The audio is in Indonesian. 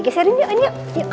geserin yuk ini yuk